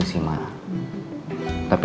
udah ke kamar dulu